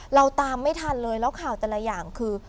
เราตามไม่ทันเลยแล้วข่าวแต่ละอย่างคือ